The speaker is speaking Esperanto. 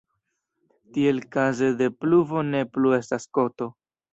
Tiel kaze de pluvo ne plu estas koto.